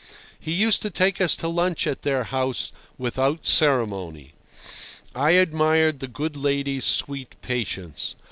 He used to take us to lunch at their house without ceremony. I admired the good lady's sweet patience.